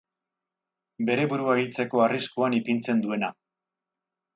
Bere burua hiltzeko arriskuan ipintzen duena.